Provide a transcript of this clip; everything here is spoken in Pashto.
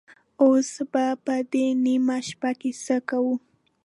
اوس به په دې نيمه شپه کې څه کوو؟